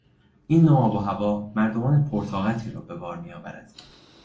این نوع آب و هوا مردمان پر طاقتی را به بار میآورد.